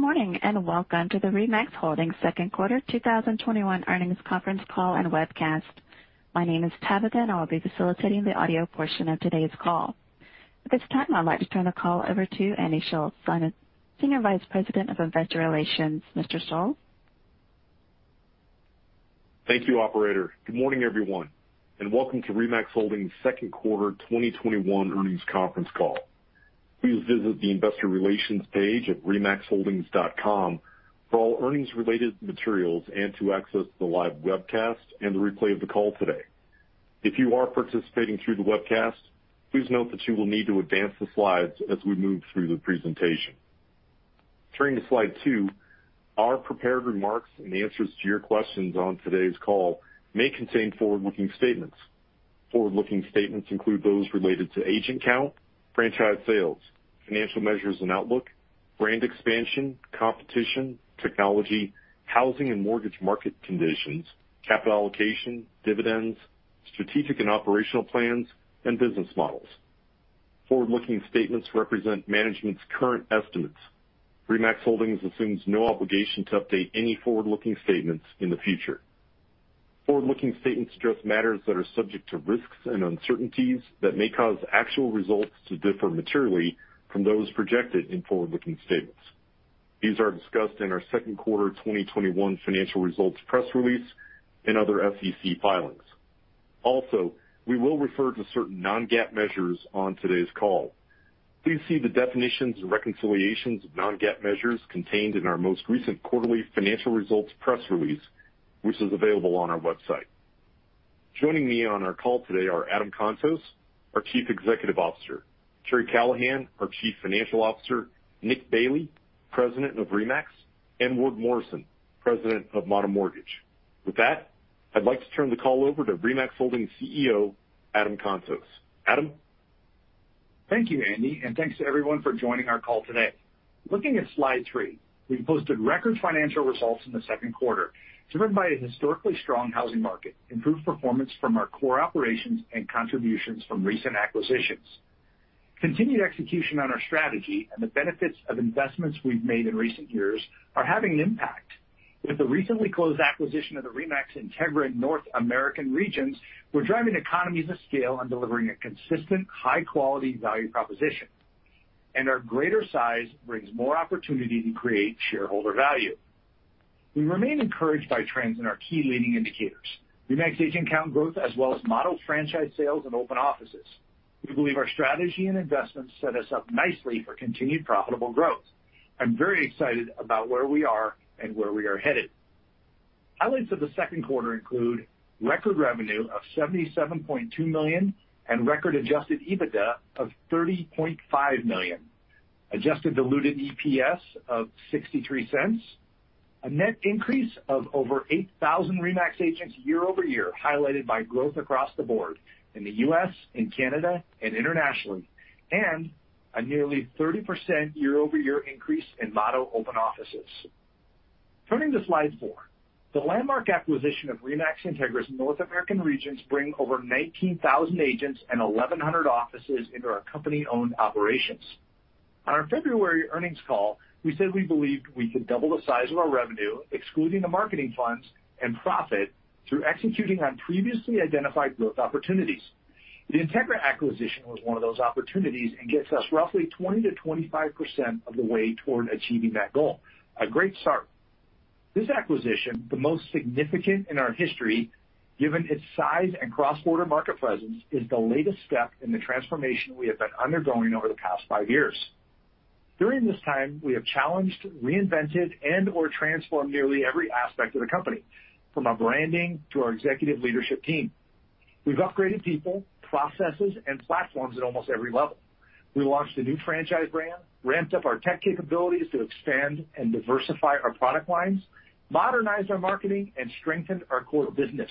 Good morning, and welcome to the RE/MAX Holdings second quarter 2021 earnings conference call and webcast. My name is Tabitha, and I'll be facilitating the audio portion of today's call. At this time, I'd like to turn the call over to Andy Schulz, Senior Vice President-Investor Relations. Mr. Schulz? Thank you, operator. Good morning, everyone, and welcome to RE/MAX Holdings' second quarter 2021 earnings conference call. Please visit the investor relations page at remaxholdings.com for all earnings-related materials and to access the live webcast and the replay of the call today. If you are participating through the webcast, please note that you will need to advance the slides as we move through the presentation. Turning to slide two, our prepared remarks and the answers to your questions on today's call may contain forward-looking statements. Forward-looking statements include those related to agent count, franchise sales, financial measures and outlook, brand expansion, competition, technology, housing and mortgage market conditions, capital allocation, dividends, strategic and operational plans, and business models. Forward-looking statements represent management's current estimates. RE/MAX Holdings assumes no obligation to update any forward-looking statements in the future. Forward-looking statements address matters that are subject to risks and uncertainties that may cause actual results to differ materially from those projected in forward-looking statements. These are discussed in our second quarter 2021 financial results press release and other SEC filings. We will refer to certain non-GAAP measures on today's call. Please see the definitions and reconciliations of non-GAAP measures contained in our most recent quarterly financial results press release, which is available on our website. Joining me on our call today are Adam Contos, our Chief Executive Officer; Karri Callahan, our Chief Financial Officer; Nick Bailey, President of RE/MAX; and Ward Morrison, President of Motto Mortgage. With that, I'd like to turn the call over to RE/MAX Holdings CEO, Adam Contos. Adam? Thank you, Andy, and thanks to everyone for joining our call today. Looking at slide 3, we posted record financial results in the second quarter, driven by a historically strong housing market, improved performance from our core operations, and contributions from recent acquisitions. Continued execution on our strategy and the benefits of investments we've made in recent years are having an impact. With the recently closed acquisition of the RE/MAX INTEGRA North American regions, we're driving economies of scale and delivering a consistent high-quality value proposition. Our greater size brings more opportunity to create shareholder value. We remain encouraged by trends in our key leading indicators, RE/MAX agent count growth, as well as Motto franchise sales and open offices. We believe our strategy and investments set us up nicely for continued profitable growth. I'm very excited about where we are and where we are headed. Highlights of the second quarter include record revenue of $77.2 million and record adjusted EBITDA of $30.5 million, adjusted diluted EPS of $0.63, a net increase of over 8,000 RE/MAX agents year-over-year, highlighted by growth across the board in the U.S., in Canada, and internationally, and a nearly 30% year-over-year increase in Motto open offices. Turning to slide four, the landmark acquisition of RE/MAX INTEGRA's North American regions bring over 19,000 agents and 1,100 offices into our company-owned operations. On our February earnings call, we said we believed we could double the size of our revenue, excluding the marketing funds and profit, through executing on previously identified growth opportunities. The INTEGRA acquisition was one of those opportunities and gets us roughly 20%-25% of the way toward achieving that goal. A great start. This acquisition, the most significant in our history, given its size and cross-border market presence, is the latest step in the transformation we have been undergoing over the past five years. During this time, we have challenged, reinvented, and/or transformed nearly every aspect of the company, from our branding to our executive leadership team. We've upgraded people, processes, and platforms at almost every level. We launched a new franchise brand, ramped up our tech capabilities to expand and diversify our product lines, modernized our marketing, and strengthened our core business.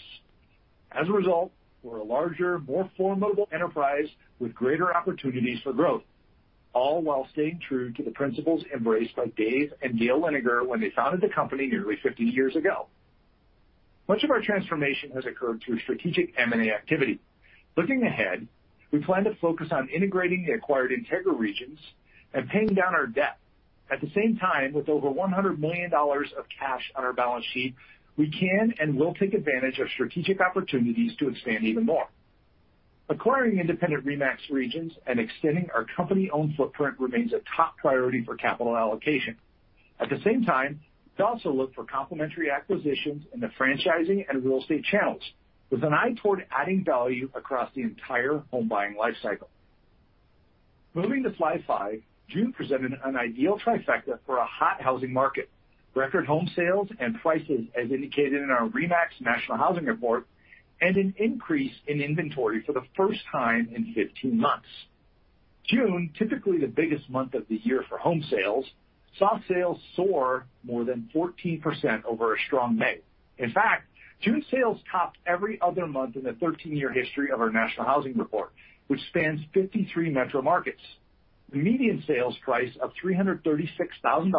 As a result, we're a larger, more formidable enterprise with greater opportunities for growth, all while staying true to the principles embraced by Dave and Gail Liniger when they founded the company nearly 50 years ago. Much of our transformation has occurred through strategic M&A activity. Looking ahead, we plan to focus on integrating the acquired INTEGRA regions and paying down our debt. At the same time, with over $100 million of cash on our balance sheet, we can and will take advantage of strategic opportunities to expand even more. Acquiring independent RE/MAX regions and extending our company-owned footprint remains a top priority for capital allocation. At the same time, we also look for complementary acquisitions in the franchising and real estate channels with an eye toward adding value across the entire home buying lifecycle. Moving to slide five, June presented an ideal trifecta for a hot housing market. Record home sales and prices, as indicated in our RE/MAX National Housing Report, and an increase in inventory for the first time in 15 months. June, typically the biggest month of the year for home sales, saw sales soar more than 14% over a strong May. In fact, June sales topped every other month in the 13-year history of our National Housing Report, which spans 53 metro markets. The median sales price of $336,000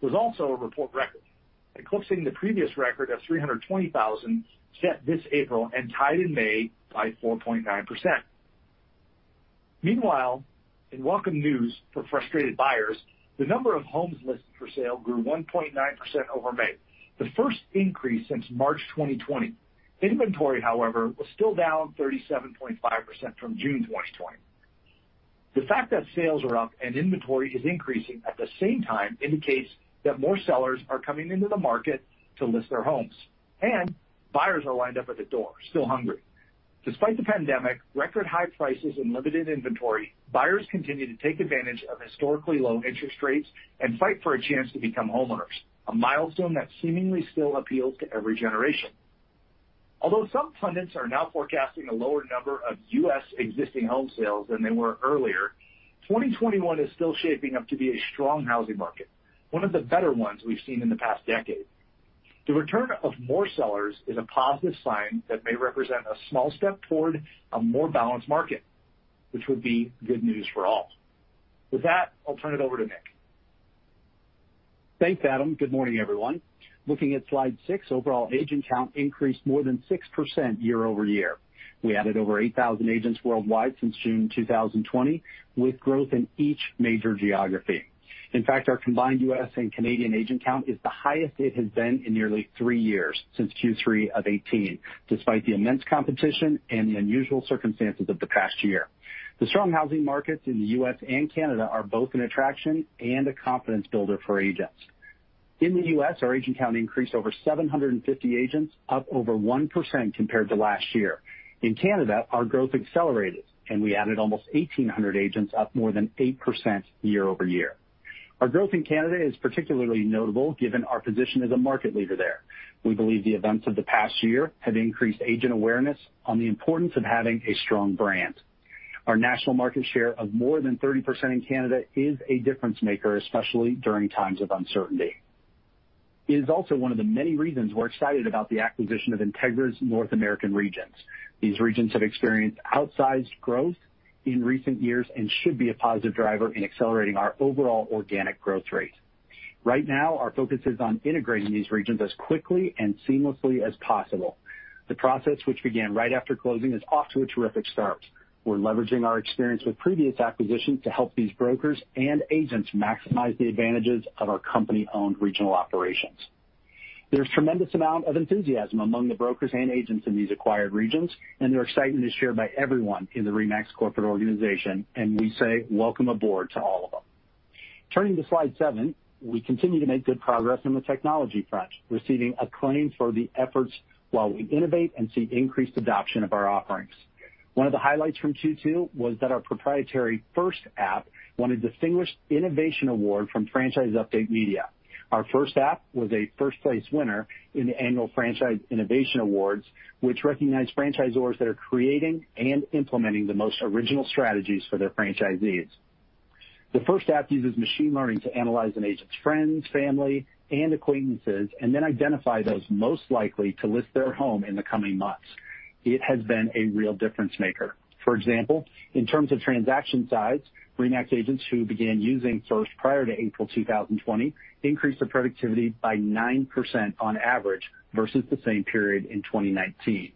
was also a report record. Eclipsing the previous record of 320,000 set this April and tied in May by 4.9%. Meanwhile, in welcome news for frustrated buyers, the number of homes listed for sale grew 1.9% over May, the first increase since March 2020. Inventory, however, was still down 37.5% from June 2020. The fact that sales are up and inventory is increasing at the same time indicates that more sellers are coming into the market to list their homes, and buyers are lined up at the door, still hungry. Despite the pandemic, record high prices, and limited inventory, buyers continue to take advantage of historically low interest rates and fight for a chance to become homeowners, a milestone that seemingly still appeals to every generation. Although some pundits are now forecasting a lower number of U.S. existing home sales than they were earlier, 2021 is still shaping up to be a strong housing market, one of the better ones we've seen in the past decade. The return of more sellers is a positive sign that may represent a small step toward a more balanced market, which would be good news for all. With that, I'll turn it over to Nick. Thanks, Adam. Good morning, everyone. Looking at slide six, overall agent count increased more than 6% year-over-year. We added over 8,000 agents worldwide since June 2020, with growth in each major geography. In fact, our combined U.S. and Canadian agent count is the highest it has been in nearly three years, since Q3 of 2018, despite the immense competition and the unusual circumstances of the past year. The strong housing markets in the U.S. and Canada are both an attraction and a confidence builder for agents. In the U.S., our agent count increased over 750 agents, up over 1% compared to last year. In Canada, our growth accelerated, and we added almost 1,800 agents, up more than 8% year-over-year. Our growth in Canada is particularly notable given our position as a market leader there. We believe the events of the past year have increased agent awareness on the importance of having a strong brand. Our national market share of more than 30% in Canada is a difference-maker, especially during times of uncertainty. It is also one of the many reasons we're excited about the acquisition of re/max INTEGRA North American regions. These regions have experienced outsized growth in recent years and should be a positive driver in accelerating our overall organic growth rate. Right now, our focus is on integrating these regions as quickly and seamlessly as possible. The process, which began right after closing, is off to a terrific start. We're leveraging our experience with previous acquisitions to help these brokers and agents maximize the advantages of our company-owned regional operations. There's tremendous amount of enthusiasm among the brokers and agents in these acquired regions, and their excitement is shared by everyone in the RE/MAX corporate organization, and we say welcome aboard to all of them. Turning to slide seven, we continue to make good progress on the technology front, receiving acclaim for the efforts while we innovate and see increased adoption of our offerings. One of the highlights from Q2 was that our proprietary First app won a distinguished Innovation Award from Franchise Update Media. Our First app was a first-place winner in the annual Franchise Innovation Awards, which recognize franchisors that are creating and implementing the most original strategies for their franchisees. The First app uses machine learning to analyze an agent's friends, family, and acquaintances, and then identify those most likely to list their home in the coming months. It has been a real difference maker. For example, in terms of transaction size, RE/MAX agents who began using First prior to April 2020 increased their productivity by 9% on average versus the same period in 2019.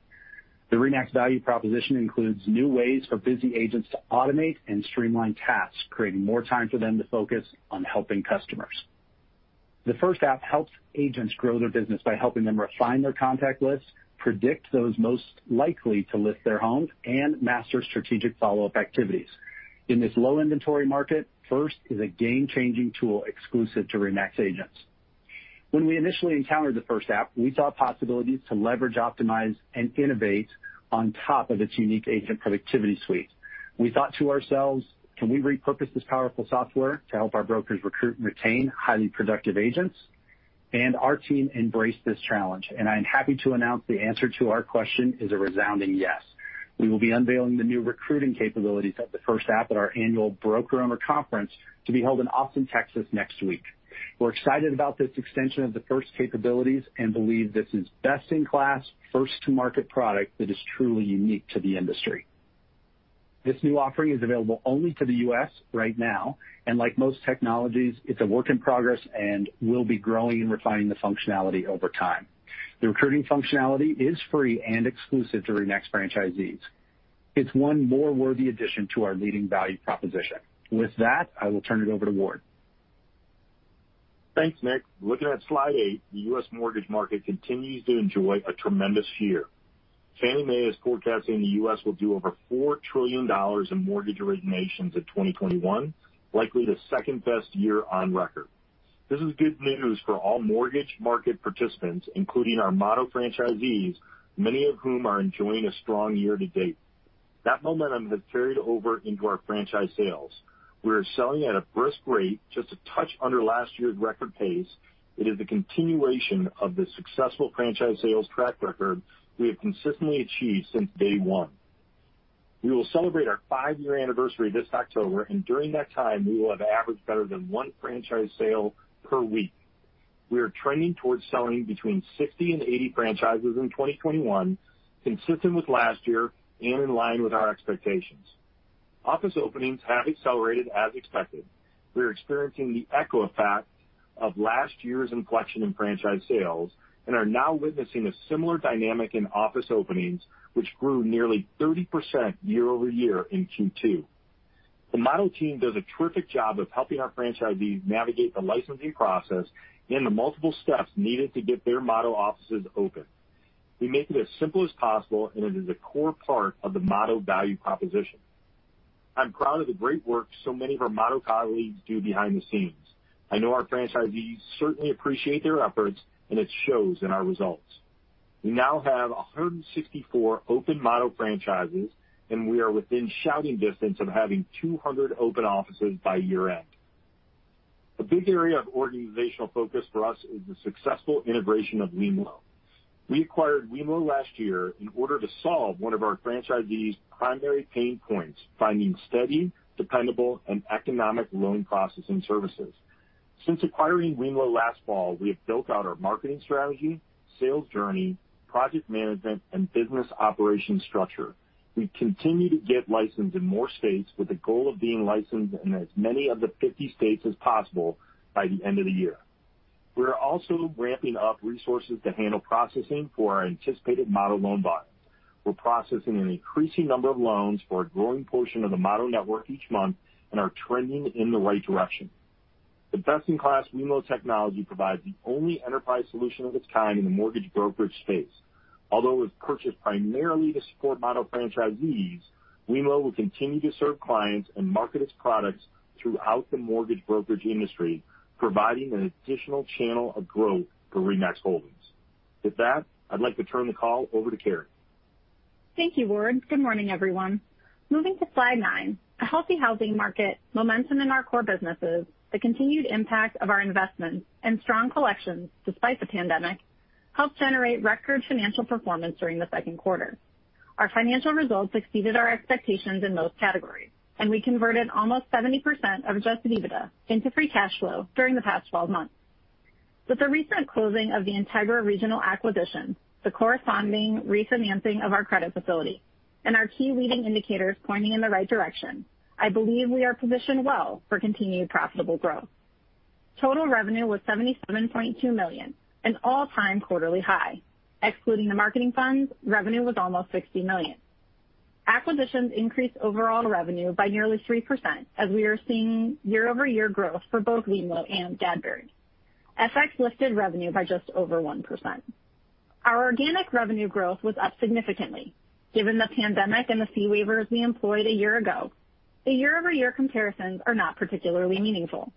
The RE/MAX value proposition includes new ways for busy agents to automate and streamline tasks, creating more time for them to focus on helping customers. The First app helps agents grow their business by helping them refine their contact lists, predict those most likely to list their homes, and master strategic follow-up activities. In this low inventory market, First is a game-changing tool exclusive to RE/MAX agents. When we initially encountered the First app, we saw possibilities to leverage, optimize, and innovate on top of its unique agent productivity suite. We thought to ourselves, can we repurpose this powerful software to help our brokers recruit and retain highly productive agents? Our team embraced this challenge, and I am happy to announce the answer to our question is a resounding yes. We will be unveiling the new recruiting capabilities of the First app at our annual broker owner conference to be held in Austin, Texas, next week. We're excited about this extension of the First capabilities and believe this is best-in-class, first-to-market product that is truly unique to the industry. This new offering is available only to the U.S. right now, and like most technologies, it's a work in progress and will be growing and refining the functionality over time. The recruiting functionality is free and exclusive to RE/MAX franchisees. It's one more worthy addition to our leading value proposition. With that, I will turn it over to Ward. Thanks, Nick. Looking at slide eight, the U.S. mortgage market continues to enjoy a tremendous year. Fannie Mae is forecasting the U.S. will do over $4 trillion in mortgage originations in 2021, likely the second-best year on record. This is good news for all mortgage market participants, including our Motto franchisees, many of whom are enjoying a strong year to date. That momentum has carried over into our franchise sales. We are selling at a brisk rate, just a touch under last year's record pace. It is the continuation of the successful franchise sales track record we have consistently achieved since day one. We will celebrate our five-year anniversary this October, and during that time, we will have averaged better than one franchise sale per week. We are trending towards selling between 60 and 80 franchises in 2021, consistent with last year and in line with our expectations. Office openings have accelerated as expected. We are experiencing the echo effect of last year's inflection in franchise sales and are now witnessing a similar dynamic in office openings, which grew nearly 30% year-over-year in Q2. The Motto team does a terrific job of helping our franchisees navigate the licensing process and the multiple steps needed to get their Motto offices open. We make it as simple as possible, and it is a core part of the Motto value proposition. I'm proud of the great work so many of our Motto colleagues do behind the scenes. I know our franchisees certainly appreciate their efforts, and it shows in our results. We now have 164 open Motto franchises, and we are within shouting distance of having 200 open offices by year-end. A big area of organizational focus for us is the successful integration of wemlo. We acquired wemlo last year in order to solve one of our franchisees' primary pain points, finding steady, dependable, and economic loan processing services. Since acquiring wemlo last fall, we have built out our marketing strategy, sales journey, project management, and business operations structure. We continue to get licensed in more states with the goal of being licensed in as many of the 50 states as possible by the end of the year. We are also ramping up resources to handle processing for our anticipated Motto loan volume. We're processing an increasing number of loans for a growing portion of the Motto network each month and are trending in the right direction. The best-in-class wemlo technology provides the only enterprise solution of its kind in the mortgage brokerage space. Although it was purchased primarily to support Motto franchisees, wemlo will continue to serve clients and market its products throughout the mortgage brokerage industry, providing an additional channel of growth for RE/MAX Holdings. With that, I'd like to turn the call over to Karri. Thank you, Ward. Good morning, everyone. Moving to slide nine. A healthy housing market, momentum in our core businesses, the continued impact of our investments, and strong collections despite the pandemic, helped generate record financial performance during the second quarter. Our financial results exceeded our expectations in most categories, and we converted almost 70% of adjusted EBITDA into free cash flow during the past 12 months. With the recent closing of the INTEGRA regional acquisition, the corresponding refinancing of our credit facility, and our key leading indicators pointing in the right direction, I believe we are positioned well for continued profitable growth. Total revenue was $77.2 million, an all-time quarterly high. Excluding the marketing funds, revenue was almost $60 million. Acquisitions increased overall revenue by nearly 3% as we are seeing year-over-year growth for both wemlo and Gadberry. FX lifted revenue by just over 1%. Our organic revenue growth was up significantly. Given the pandemic and the fee waivers we employed a year ago, the year-over-year comparisons are not particularly meaningful.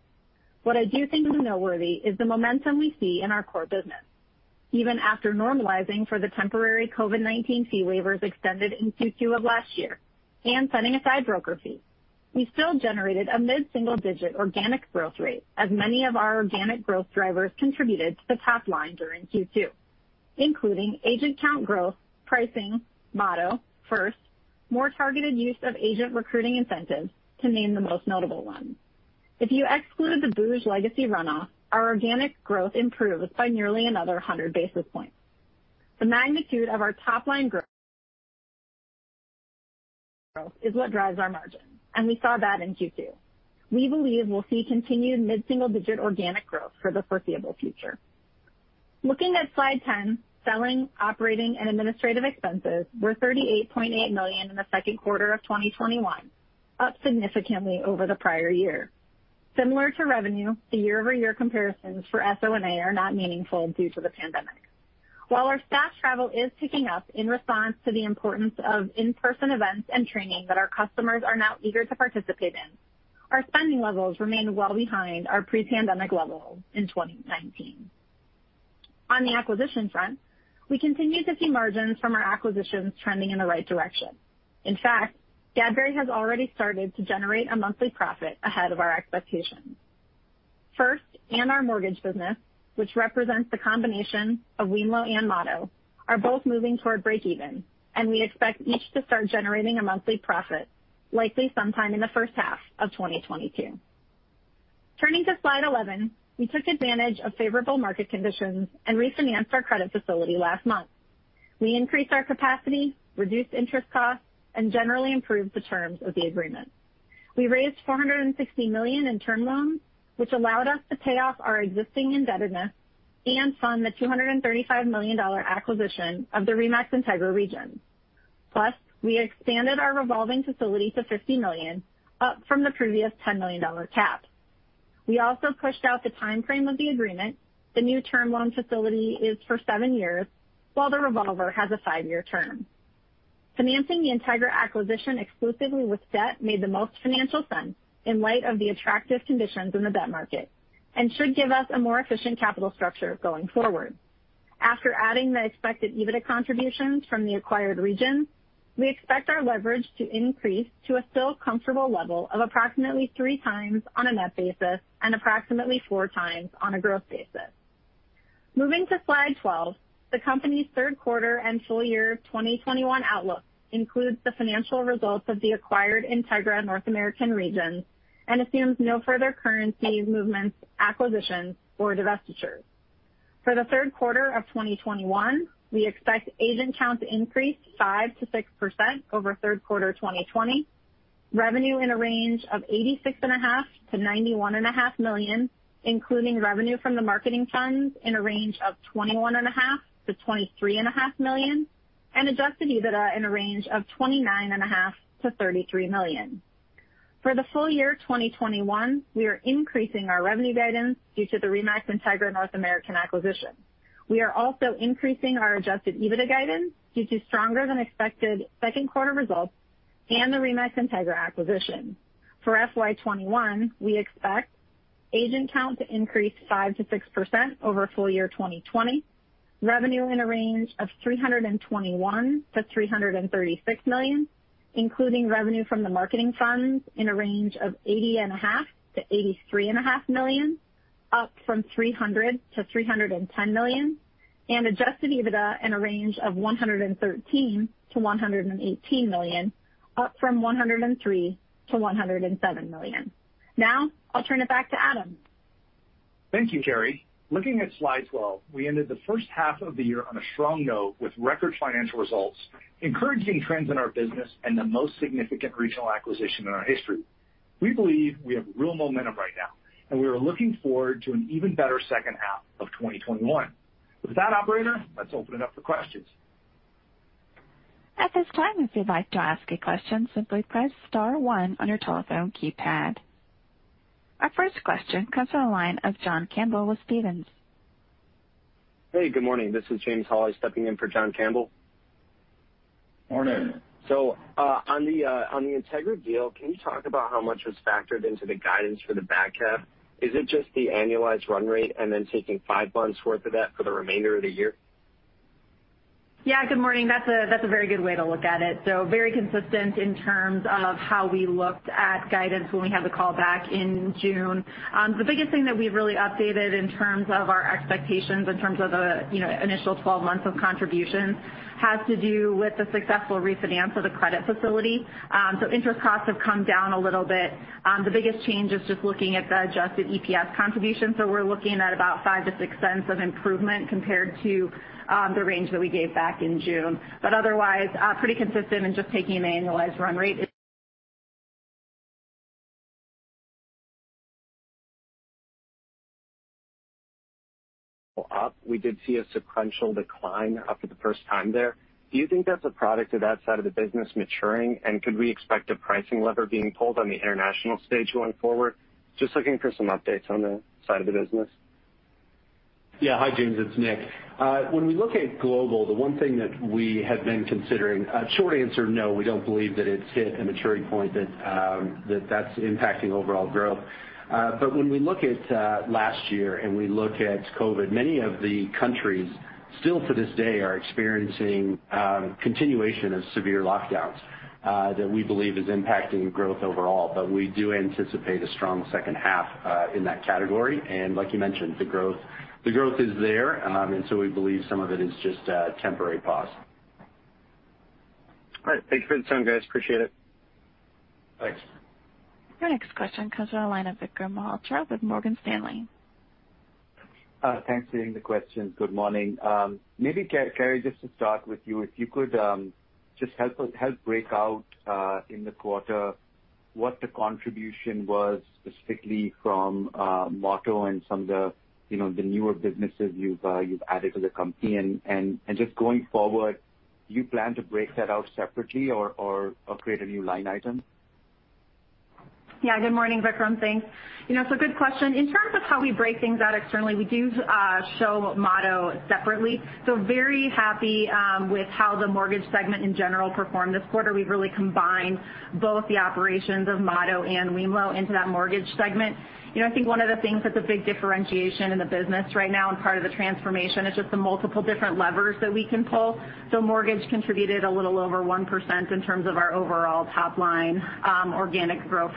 What I do think is noteworthy is the momentum we see in our core business. Even after normalizing for the temporary COVID-19 fee waivers extended in Q2 of last year and setting aside broker fees, we still generated a mid-single-digit organic growth rate as many of our organic growth drivers contributed to the top line during Q2, including agent count growth, pricing, Motto, First, more targeted use of agent recruiting incentives to name the most notable ones. If you exclude the booj legacy runoff, our organic growth improves by nearly another 100 basis points. The magnitude of our top-line growth is what drives our margin, and we saw that in Q2. We believe we'll see continued mid-single-digit organic growth for the foreseeable future. Looking at slide 10, selling, operating, and administrative expenses were $38.8 million in the second quarter of 2021, up significantly over the prior year. Similar to revenue, the year-over-year comparisons for SO&A are not meaningful due to the pandemic. While our staff travel is picking up in response to the importance of in-person events and training that our customers are now eager to participate in, our spending levels remain well behind our pre-pandemic levels in 2019. On the acquisition front, we continue to see margins from our acquisitions trending in the right direction. In fact, Gadberry has already started to generate a monthly profit ahead of our expectations. First, and our mortgage business, which represents the combination of wemlo and Motto, are both moving toward breakeven, and we expect each to start generating a monthly profit, likely sometime in the first half of 2022. Turning to slide 11, we took advantage of favorable market conditions and refinanced our credit facility last month. We increased our capacity, reduced interest costs, and generally improved the terms of the agreement. We raised $460 million in term loans, which allowed us to pay off our existing indebtedness and fund the $235 million acquisition of the RE/MAX INTEGRA region. We expanded our revolving facility to $50 million, up from the previous $10 million cap. We also pushed out the timeframe of the agreement. The new term loan facility is for seven years, while the revolver has a five-year term. Financing the INTEGRA acquisition exclusively with debt made the most financial sense in light of the attractive conditions in the debt market and should give us a more efficient capital structure going forward. After adding the expected EBITDA contributions from the acquired region, we expect our leverage to increase to a still comfortable level of approximately 3x on a net basis and approximately 4x on a growth basis. Moving to slide 12, the company's third quarter and full year 2021 outlook includes the financial results of the acquired INTEGRA North American region and assumes no further currency movements, acquisitions, or divestitures. For the third quarter of 2021, we expect agent count to increase 5%-6% over third quarter 2020. Revenue in a range of $86.5 million-$91.5 million, including revenue from the marketing funds in a range of $21.5 million-$23.5 million, and adjusted EBITDA in a range of $29.5 million-$33 million. For the full year 2021, we are increasing our revenue guidance due to the RE/MAX INTEGRA North American acquisition. We are also increasing our adjusted EBITDA guidance due to stronger than expected second quarter results and the RE/MAX INTEGRA acquisition. For FY 2021, we expect agent count to increase 5%-6% over full year 2020. Revenue in a range of $321 million-$336 million, including revenue from the marketing funds in a range of $80.5 million-$83.5 million, up from $300 million-$310 million, and adjusted EBITDA in a range of $113 million-$118 million, up from $103 million-$107 million. Now, I'll turn it back to Adam. Thank you, Karri. Looking at slide 12, we ended the first half of the year on a strong note with record financial results, encouraging trends in our business, and the most significant regional acquisition in our history. We believe we have real momentum right now, and we are looking forward to an even better second half of 2021. With that, operator, let's open it up for questions. At this time, if you'd like to ask a question, simply press star one on your telephone keypad. Our first question comes from the line of John Campbell with Stephens. Hey, good morning. This is James Holly stepping in for John Campbell. Morning. On the INTEGRA deal, can you talk about how much was factored into the guidance for the back half? Is it just the annualized run rate and then taking five months worth of that for the remainder of the year? Good morning. That's a very good way to look at it. Very consistent in terms of how we looked at guidance when we had the call back in June. The biggest thing that we've really updated in terms of our expectations, in terms of the initial 12 months of contribution, has to do with the successful refinance of the credit facility. Interest costs have come down a little bit. The biggest change is just looking at the adjusted EPS contribution. We're looking at about $0.05-$0.06 of improvement compared to the range that we gave back in June. Otherwise, pretty consistent and just taking the annualized run rate. Up, we did see a sequential decline for the first time there. Do you think that's a product of that side of the business maturing, and could we expect a pricing lever being pulled on the international stage going forward? Just looking for some updates on that side of the business. Yeah. Hi, James. It's Nick. When we look at global, the one thing that we have been considering. Short answer, no. We don't believe that it's hit a maturity point that's impacting overall growth. When we look at last year and we look at COVID, many of the countries still to this day are experiencing continuation of severe lockdowns, that we believe is impacting growth overall. We do anticipate a strong second half in that category. Like you mentioned, the growth is there, and so we believe some of it is just a temporary pause. All right. Thanks for the time, guys. Appreciate it. Thanks. Our next question comes from the line of Vikram Malhotra with Morgan Stanley. Thanks for taking the question. Good morning. Maybe Karri, just to start with you, if you could just help break out, in the quarter, what the contribution was specifically from Motto and some of the newer businesses you've added to the company? Just going forward, do you plan to break that out separately or create a new line item? Yeah. Good morning, Vikram. Thanks. It's a good question. In terms of how we break things out externally, we do show Motto separately. Very happy with how the mortgage segment in general performed this quarter. We've really combined both the operations of Motto and wemlo into that mortgage segment. I think one of the things that's a big differentiation in the business right now and part of the transformation is just the multiple different levers that we can pull. Mortgage contributed a little over 1% in terms of our overall top-line organic growth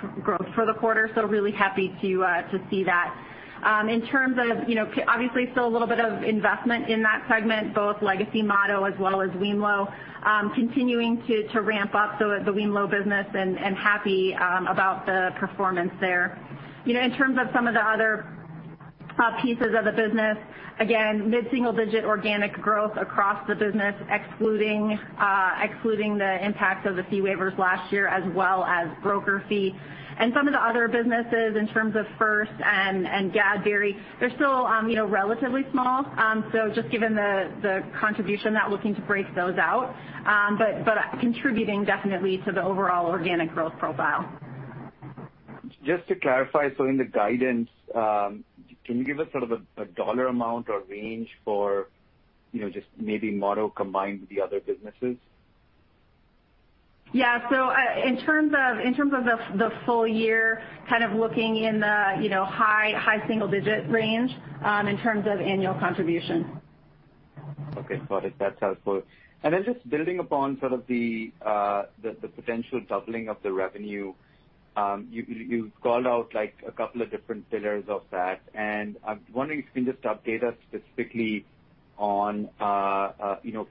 for the quarter. Really happy to see that. Obviously, still a little bit of investment in that segment, both legacy Motto as well as wemlo. Continuing to ramp up the wemlo business and happy about the performance there. In terms of some of the other top pieces of the business, again, mid-single digit organic growth across the business, excluding the impact of the fee waivers last year as well as broker fee. Some of the other businesses in terms of First and Gadberry, they're still relatively small. Just given the contribution, not looking to break those out. Contributing definitely to the overall organic growth profile. Just to clarify, in the guidance, can you give us sort of a dollar amount or range for just maybe Motto combined with the other businesses? Yeah. In terms of the full year, kind of looking in the high single-digit range in terms of annual contribution. Okay. Got it. That's helpful. Just building upon sort of the potential doubling of the revenue, you've called out a couple of different pillars of that, and I'm wondering if you can just update us specifically on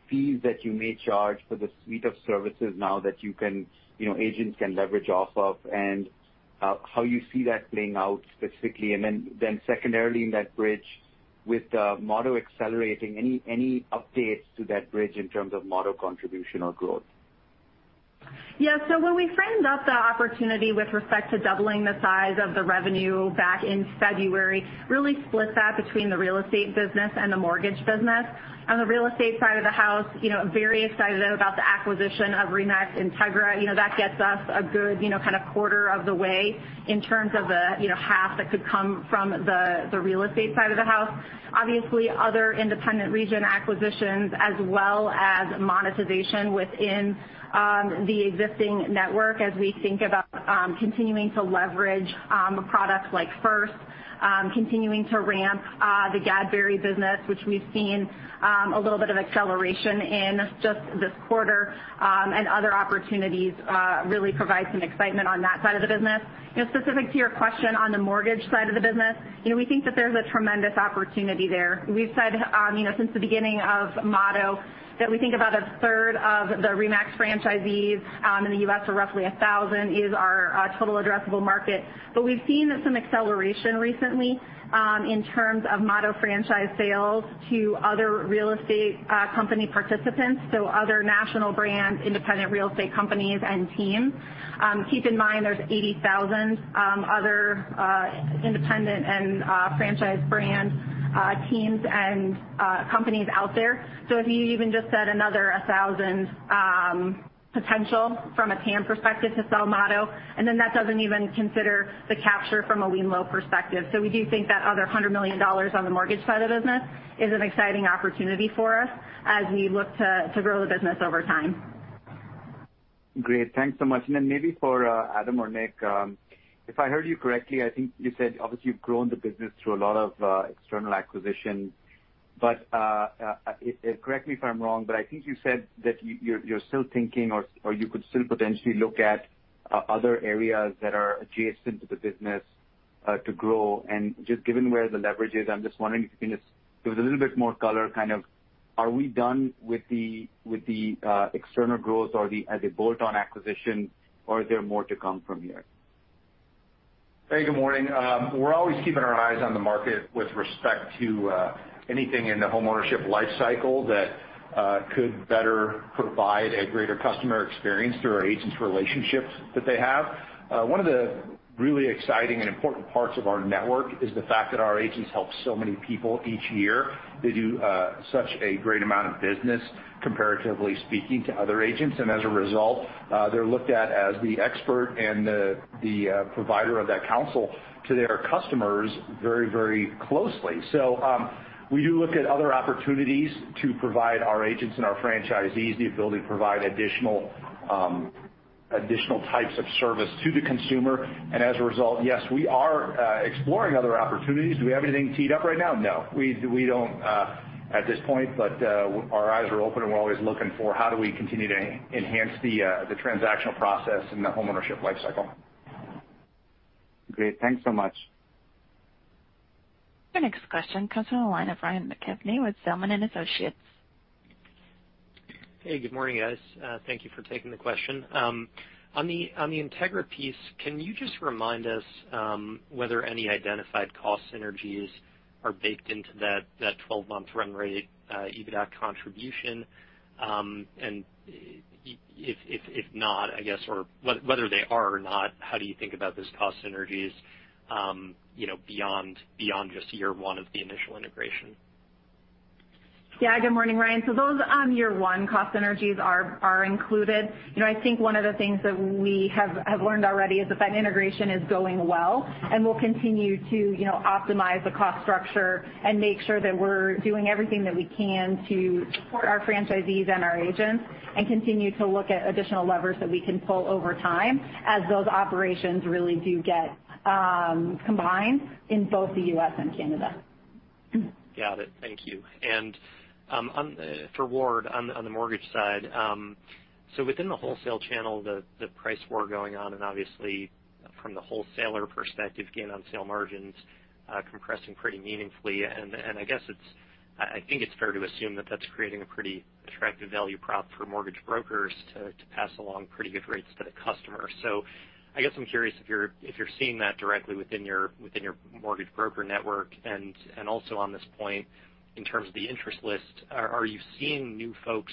fees that you may charge for the suite of services now that agents can leverage off of, and how you see that playing out specifically. Secondarily in that bridge with the Motto accelerating, any updates to that bridge in terms of Motto contribution or growth? Yeah. When we framed up the opportunity with respect to doubling the size of the revenue back in February, really split that between the real estate business and the mortgage business. On the real estate side of the house, very excited about the acquisition of RE/MAX INTEGRA. That gets us a good quarter of the way in terms of the half that could come from the real estate side of the house. Obviously, other independent region acquisitions as well as monetization within the existing network as we think about continuing to leverage products like First, continuing to ramp the Gadberry business, which we've seen a little bit of acceleration in just this quarter, and other opportunities really provide some excitement on that side of the business. Specific to your question on the mortgage side of the business, we think that there's a tremendous opportunity there. We've said since the beginning of Motto that we think about a third of the RE/MAX franchisees in the U.S., so roughly 1,000, is our total addressable market. We've seen some acceleration recently in terms of Motto franchise sales to other real estate company participants, so other national brands, independent real estate companies, and teams. Keep in mind, there's 80,000 other independent and franchise brand teams and companies out there. If you even just said another 1,000 potential from a TAM perspective to sell Motto, and then that doesn't even consider the capture from a wemlo perspective. We do think that other $100 million on the mortgage side of the business is an exciting opportunity for us as we look to grow the business over time. Great. Thanks so much. Maybe for Adam or Nick, if I heard you correctly, I think you said, obviously, you've grown the business through a lot of external acquisition. Correct me if I'm wrong, but I think you said that you're still thinking or you could still potentially look at other areas that are adjacent to the business to grow. Given where the leverage is, I'm just wondering if you can just give it a little bit more color, are we done with the external growth or the bolt-on acquisition, or is there more to come from here? Hey, good morning. We're always keeping our eyes on the market with respect to anything in the homeownership life cycle that could better provide a greater customer experience through our agents' relationships that they have. One of the really exciting and important parts of our network is the fact that our agents help so many people each year. They do such a great amount of business, comparatively speaking, to other agents. As a result, they're looked at as the expert and the provider of that counsel to their customers very closely. We do look at other opportunities to provide our agents and our franchisees the ability to provide additional types of service to the consumer. As a result, yes, we are exploring other opportunities. Do we have anything teed up right now? No. We don't at this point. Our eyes are open, and we're always looking for how do we continue to enhance the transactional process in the homeownership life cycle. Great. Thanks so much. Your next question comes from the line of Ryan McKeveny with Zelman & Associates. Hey, good morning, guys. Thank you for taking the question. On the INTEGRA piece, can you just remind us whether any identified cost synergies are baked into that 12-month run rate EBITDA contribution? If not, I guess, or whether they are or not, how do you think about those cost synergies beyond just year one of the initial integration? Yeah. Good morning, Ryan. Those year-one cost synergies are included. I think one of the things that we have learned already is that that integration is going well, and we'll continue to optimize the cost structure, and make sure that we're doing everything that we can to support our franchisees and our agents, and continue to look at additional levers that we can pull over time as those operations really do get combined in both the U.S. and Canada. Got it. Thank you. For Ward, on the mortgage side, within the wholesale channel, the price war going on, and obviously from the wholesaler perspective, gain on sale margins compressing pretty meaningfully. I think it's fair to assume that that's creating a pretty attractive value prop for mortgage brokers to pass along pretty good rates to the customer. I guess I'm curious if you're seeing that directly within your mortgage broker network. Also on this point, in terms of the interest list, are you seeing new folks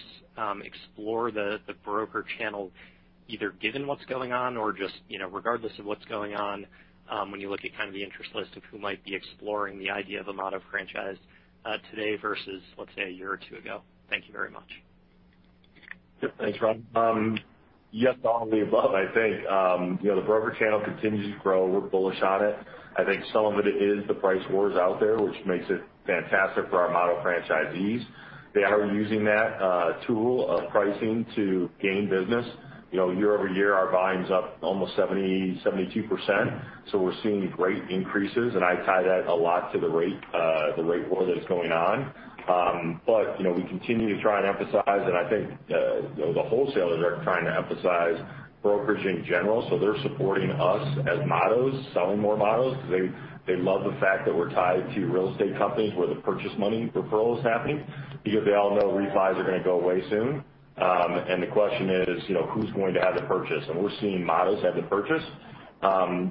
explore the broker channel, either given what's going on or just regardless of what's going on, when you look at the interest list of who might be exploring the idea of a Motto franchise today versus, let's say, a year or two ago? Thank you very much. Yep. Thanks, Ryan. Yes to all of the above, I think. The broker channel continues to grow. We're bullish on it. I think some of it is the price wars out there, which makes it fantastic for our Motto franchisees. They are using that tool of pricing to gain business. Year-over-year, our volume's up almost 72%, so we're seeing great increases, and I tie that a lot to the rate war that is going on. We continue to try and emphasize, and I think the wholesalers are trying to emphasize brokerage in general, so they're supporting us as Mottos, selling more Mottos, because they love the fact that we're tied to real estate companies where the purchase money referral is happening because they all know refis are going to go away soon. The question is, who's going to have the purchase? We're seeing models have the purchase.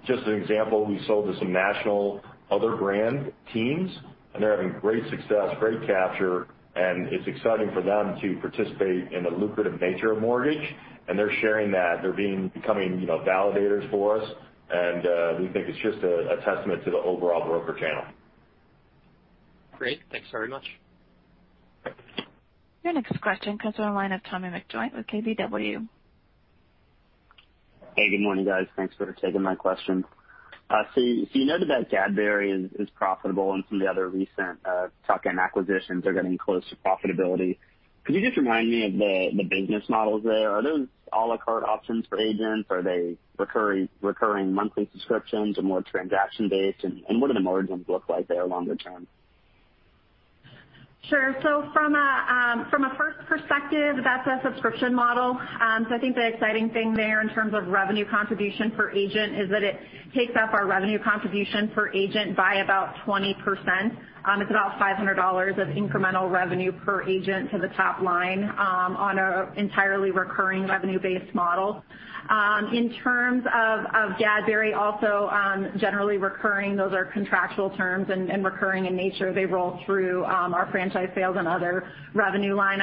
Just an example, we sold to some national other brand teams, and they're having great success, great capture, and it's exciting for them to participate in the lucrative nature of mortgage, and they're sharing that. They're becoming validators for us. We think it's just a testament to the overall broker channel. Great. Thanks very much. Your next question comes from the line of Tommy McJoynt with KBW. Hey, good morning, guys. Thanks for taking my question. You noted that Gadberry is profitable and some of the other recent tuck-in acquisitions are getting close to profitability. Could you just remind me of the business models there? Are those a la carte options for agents? Are they recurring monthly subscriptions or more transaction-based, and what do the margins look like there longer term? Sure. From a First perspective, that's a subscription model. I think the exciting thing there in terms of revenue contribution per agent is that it takes up our revenue contribution per agent by about 20%. It's about $500 of incremental revenue per agent to the top line on an entirely recurring revenue-based model. In terms of Gadberry, also generally recurring, those are contractual terms and recurring in nature. They roll through our franchise sales and other revenue line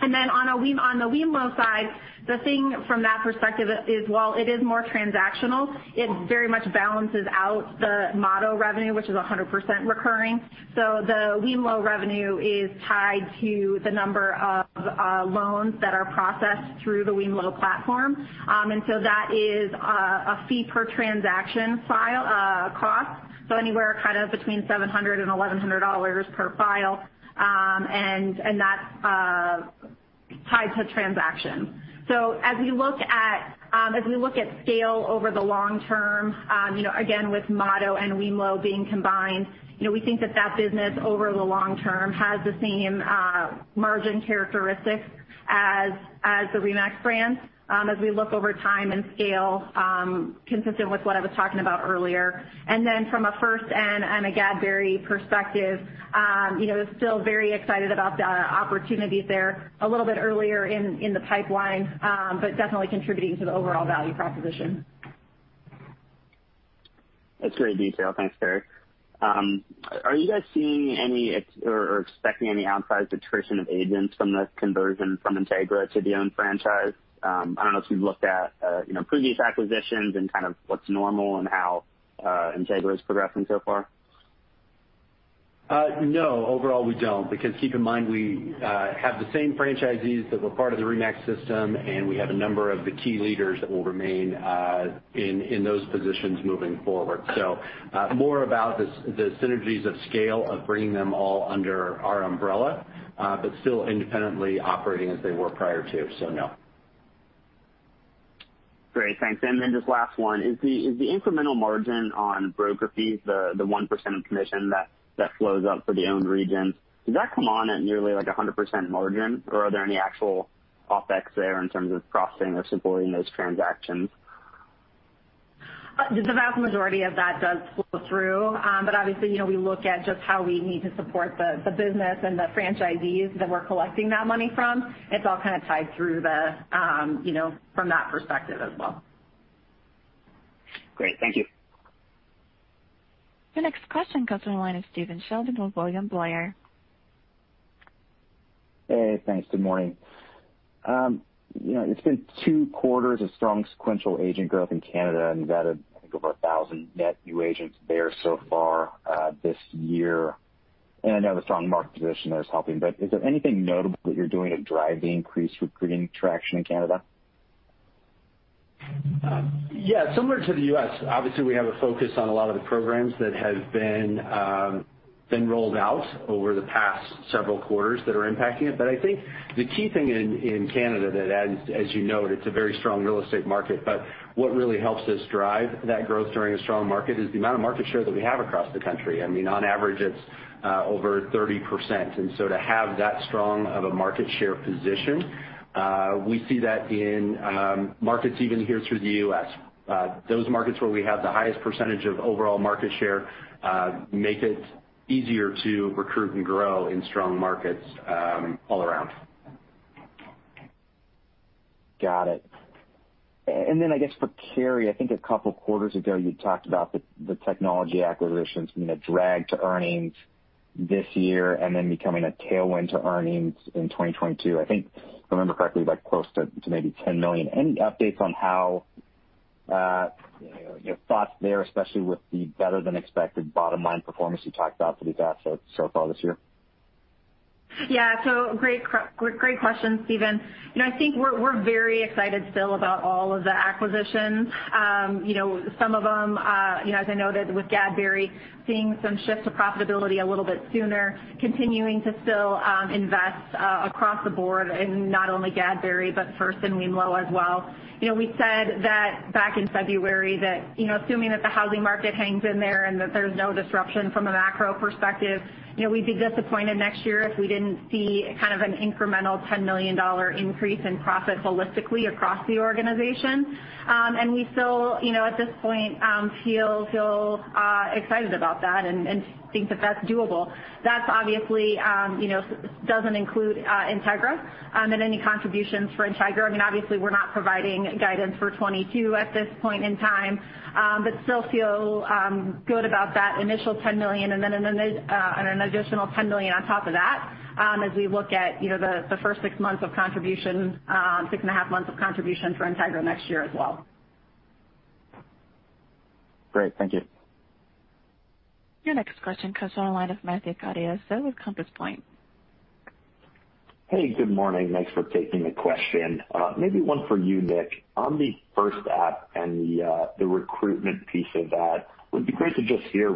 item. On the wemlo side, the thing from that perspective is while it is more transactional, it very much balances out the Motto revenue, which is 100% recurring. The wemlo revenue is tied to the number of loans that are processed through the wemlo platform. That is a fee-per-transaction file cost. Anywhere between $700-$1,100 per file. That's tied to transaction. As we look at scale over the long term, again, with Motto and wemlo being combined, we think that that business over the long term has the same margin characteristics as the RE/MAX brand as we look over time and scale, consistent with what I was talking about earlier. From a First and a Gadberry perspective, still very excited about the opportunities there. A little bit earlier in the pipeline, but definitely contributing to the overall value proposition. That's great detail. Thanks, Karri. Are you guys seeing any or expecting any outsized attrition of agents from the conversion from INTEGRA to the owned franchise? I don't know if you've looked at previous acquisitions and kind of what's normal and how INTEGRA is progressing so far. Overall, we don't. Keep in mind, we have the same franchisees that were part of the RE/MAX system, and we have a number of the key leaders that will remain in those positions moving forward. More about the synergies of scale of bringing them all under our umbrella, but still independently operating as they were prior to. Great. Thanks. Just last one, is the incremental margin on broker fees, the 1% commission that flows up for the owned regions, does that come on at nearly like 100% margin, or are there any actual OpEx there in terms of processing or supporting those transactions? The vast majority of that does flow through. Obviously, we look at just how we need to support the business and the franchisees that we're collecting that money from. It's all kind of tied through from that perspective as well. Great. Thank you. Your next question comes from the line of Stephen Sheldon with William Blair. Hey, thanks. Good morning. It's been two quarters of strong sequential agent growth in Canada, and you've added, I think, over 1,000 net new agents there so far this year. I know the strong market position there is helping, but is there anything notable that you're doing to drive the increased recruiting traction in Canada? Similar to the U.S., obviously, we have a focus on a lot of the programs that have been rolled out over the past several quarters that are impacting it. I think the key thing in Canada that as you noted, it's a very strong real estate market, but what really helps us drive that growth during a strong market is the amount of market share that we have across the country. I mean, on average, it's over 30%. To have that strong of a market share position, we see that in markets even here through the U.S. Those markets where we have the highest percentage of overall market share make it easier to recruit and grow in strong markets all around. Got it. I guess for Karri, I think a couple of quarters ago you talked about the technology acquisitions being a drag to earnings this year and then becoming a tailwind to earnings in 2022. I think if I remember correctly, close to maybe $10 million. Any updates on how your thoughts there, especially with the better-than-expected bottom-line performance you talked about for these assets so far this year? Great question, Stephen. I think we're very excited still about all of the acquisitions. Some of them, as I noted with Gadberry, seeing some shift to profitability a little bit sooner, continuing to still invest across the board in not only Gadberry, but First and wemlo as well. We said that back in February that assuming that the housing market hangs in there and that there's no disruption from a macro perspective, we'd be disappointed next year if we didn't see an incremental $10 million increase in profit holistically across the organization. We still, at this point, feel excited about that and think that that's doable. That obviously doesn't include INTEGRA and any contributions for INTEGRA. Obviously we're not providing guidance for 2022 at this point in time. Still feel good about that initial $10 million and then an additional $10 million on top of that as we look at the first 6.5 Months of contribution for INTEGRA next year as well. Great. Thank you. Your next question comes on the line of Matthew Gaudioso with Compass Point. Hey, good morning. Thanks for taking the question. Maybe one for you, Nick. On the First app and the recruitment piece of that, would be great to just hear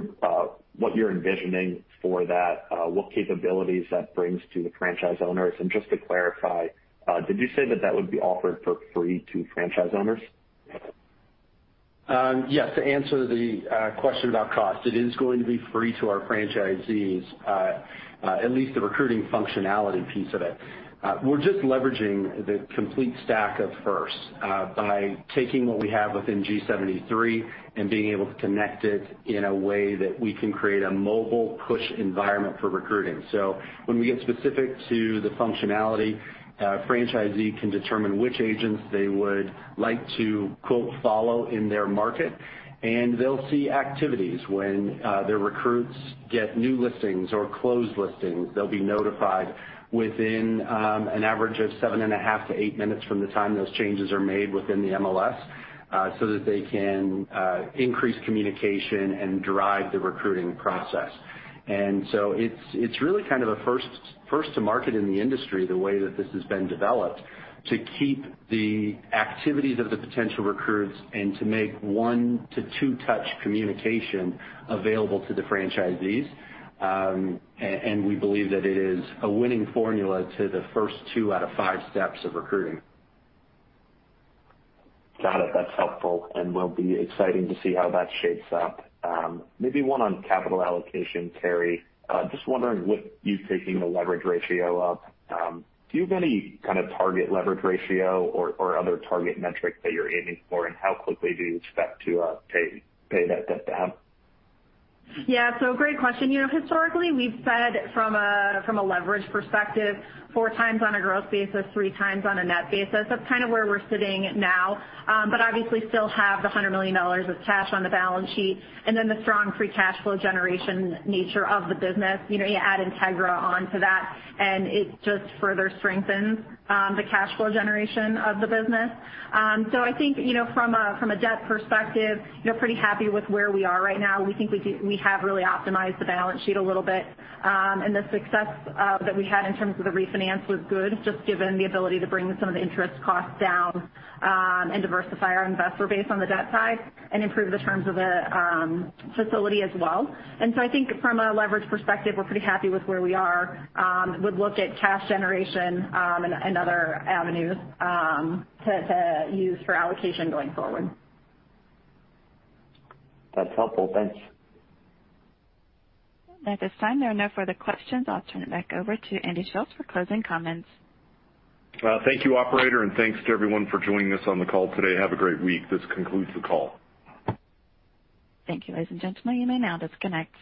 what you're envisioning for that, what capabilities that brings to the franchise owners, and just to clarify, did you say that that would be offered for free to franchise owners? Yes, to answer the question about cost, it is going to be free to our franchisees, at least the recruiting functionality piece of it. We're just leveraging the complete stack of First by taking what we have within G73 and being able to connect it in a way that we can create a mobile push environment for recruiting. When we get specific to the functionality, a franchisee can determine which agents they would like to, quote, follow in their market, and they'll see activities when their recruits get new listings or closed listings. They'll be notified within an average of 7.5-8 minutes from the time those changes are made within the MLS, so that they can increase communication and drive the recruiting process. It's really kind of a first to market in the industry the way that this has been developed to keep the activities of the potential recruits and to make one to two touch communication available to the franchisees. We believe that it is a winning formula to the first 2/5 steps of recruiting. Got it. That's helpful, and will be exciting to see how that shapes up. Maybe one on capital allocation, Karri. Just wondering with you taking the leverage ratio up, do you have any kind of target leverage ratio or other target metrics that you're aiming for, and how quickly do you expect to pay that debt down? Great question. Historically we've said from a leverage perspective, 4x on a gross basis, 3x on a net basis. That's kind of where we're sitting now. Obviously still have the $100 million of cash on the balance sheet and then the strong free cash flow generation nature of the business. You add INTEGRA onto that, it just further strengthens the cash flow generation of the business. I think from a debt perspective, pretty happy with where we are right now. We think we have really optimized the balance sheet a little bit. The success that we had in terms of the refinance was good, just given the ability to bring some of the interest costs down and diversify our investor base on the debt side and improve the terms of the facility as well. I think from a leverage perspective, we're pretty happy with where we are. We would look at cash generation and other avenues to use for allocation going forward. That's helpful. Thanks. At this time, there are no further questions. I'll turn it back over to Andy Schulz for closing comments. Thank you, operator, and thanks to everyone for joining us on the call today. Have a great week. This concludes the call. Thank you, ladies and gentlemen. You may now disconnect.